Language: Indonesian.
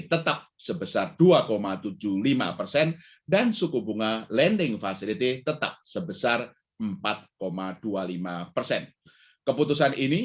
tetap sebesar dua tujuh puluh lima persen dan suku bunga lending facility tetap sebesar empat dua puluh lima persen keputusan ini